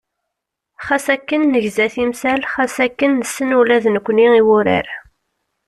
Xas akken negza timsal, xas akken nessen ula d nekkni i wurar.